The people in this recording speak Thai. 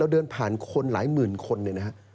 เดินผ่านคนหลายหมื่นคนเนี่ยนะฮะ